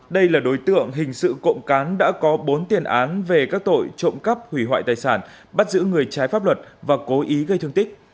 đây là đối tượng hình sự cộng cán đã có bốn tiền án về các tội trộm cắp hủy hoại tài sản bắt giữ người trái pháp luật và cố ý gây thương tích